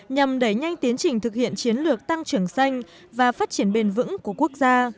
nhằm đẩy nhanh tiến trình thực hiện chiến lược tăng trưởng xanh và phát triển bền vững của quốc gia